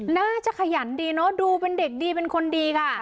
น่าจะขยันดีเนอะดูเป็นเด็กดีเป็นคนดีค่ะ